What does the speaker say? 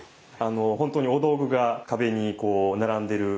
本当にお道具が壁にこう並んでるのが。